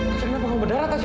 tasha kenapa kau berdarah tasha